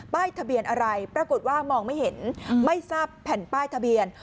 ทะเบียนอะไรปรากฏว่ามองไม่เห็นไม่ทราบแผ่นป้ายทะเบียน